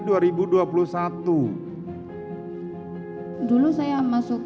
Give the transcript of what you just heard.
dulu saya masuk ke